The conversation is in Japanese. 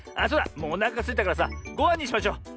もうおなかすいたからさごはんにしましょう。